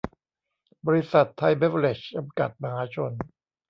บริษัท ไทยเบฟเวอเรจ จำกัด มหาชน